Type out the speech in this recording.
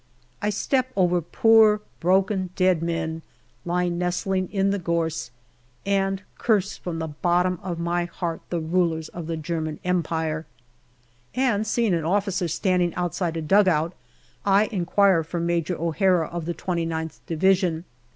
I step over poor, broken dead men, lying nestling in the gorse, and curse from the bottom of my heart the rulers of the German Empire; and seeing an officer standing outside a dugout, I inquire for Major O'Hara, of the 2Qth Division.